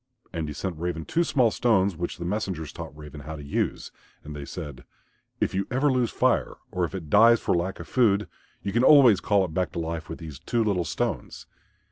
And he sent Raven two small stones which the messengers taught Raven how to use. And they said, "If you ever lose Fire or if it dies for lack of food you can always call it back to life with these two little stones."